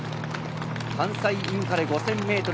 関西インカレ５０００メートル